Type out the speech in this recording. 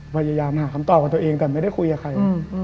พยายามหาคำตอบกับตัวเองแต่ไม่ได้คุยกับใคร